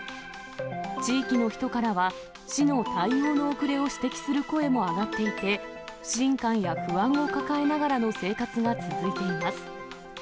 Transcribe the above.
地域の人からは、市の対応の遅れを指摘する声も上がっていて、不信感や不安を抱えながらの生活が続いています。